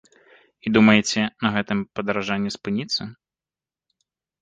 І думаеце, на гэтым падаражанне спыніцца?